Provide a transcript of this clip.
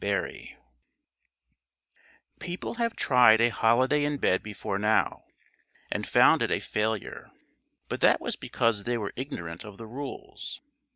BROCK] PEOPLE have tried a holiday in bed before now, and found it a failure, but that was because they were ignorant of the rules.